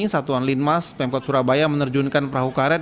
satuan linmas pemkot surabaya menerjunkan perahu karet